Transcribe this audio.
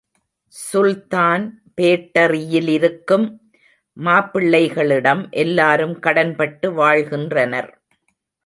சுல்தான் பேட்டரியிலிருக்கும் மாப்பிள்ளைகளிடம் எல்லாரும் கடன்பட்டு வாழ்கின்றனர்.